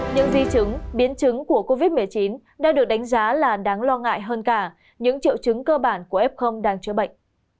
những di chứng biến chứng của covid một mươi chín đã được đánh giá là đáng lo ngại hơn cả những triệu chứng cơ bản của f đang chữa bệnh